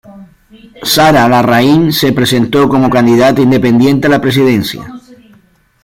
Sara Larraín se presentó como candidata independiente a la presidencia.